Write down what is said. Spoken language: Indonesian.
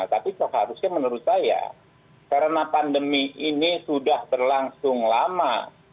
tapi seharusnya menurut saya karena pandemi ini sudah berlangsung lama